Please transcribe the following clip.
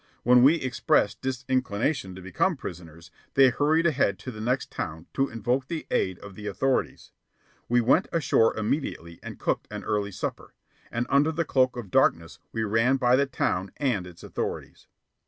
When we expressed disinclination to become prisoners, they hurried ahead to the next town to invoke the aid of the authorities. We went ashore immediately and cooked an early supper; and under the cloak of darkness we ran by the town and its authorities.